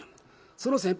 その先輩